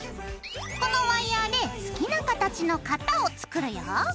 このワイヤーで好きな形の型を作るよ。